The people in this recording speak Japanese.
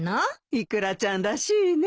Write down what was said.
イクラちゃんらしいね。